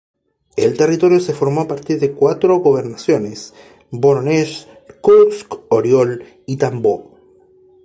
El territorio se formó a partir de cuatro gobernaciones, Vorónezh, Kursk, Oriol, y Tambov.